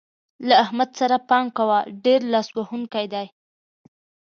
له احمد سره پام کوئ؛ ډېر لاس وهونکی دی.